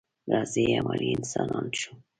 راځئ عملي انسانان شو.